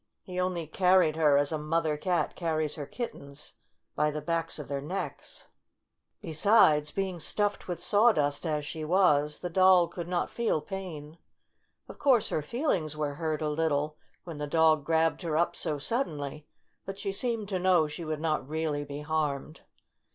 He only carried her as a mother cat carries her kittens by the backs of their necks. 64 STORY OP A SAWDUST DOLL' Besides, being stuffed with sawdust as she was, the Doll could not feel pain. Of course her feelings were hurt a little when the dog grabbed her up so suddenly, but she seemed to know she would not really be harmed.